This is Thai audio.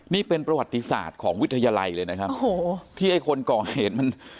นี่เป็นประวัติศาสตร์ของวิทยาลัยเลยนะครับโอ้โหที่ไอ้คนก่อเหตุมัน